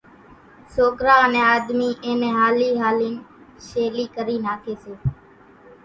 سوڪرا انين آۮمي اِين نين ھالي ھالين شيلي ڪري ناکي سي۔